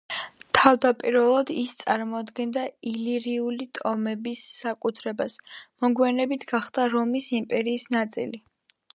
თავდაპირველად ის წარმოადგენდა ილირიული ტომების საკუთრებას, მოგვიანებით გახდა რომის იმპერიის ნაწილი.